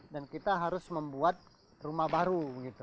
dan kita harus membuat rumah baru